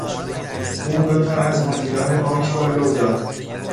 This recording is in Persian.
او دو تا از مدیران بانک را لو داد.